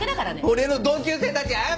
俺の同級生たちに謝れ！